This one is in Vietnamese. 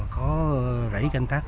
có rảy canh tác